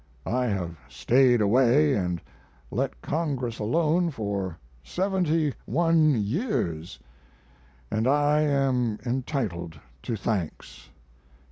I have stayed away and let Congress alone for seventy one years and I am entitled to thanks.